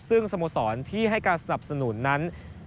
ซึ่งสโมสรที่ให้การสนับสนุนนั้น